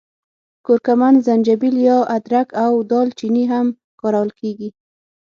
کورکمن، زنجبیل یا ادرک او دال چیني هم کارول کېږي.